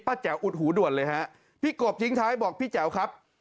แจ๋วอุดหูด่วนเลยฮะพี่กบทิ้งท้ายบอกพี่แจ๋วครับ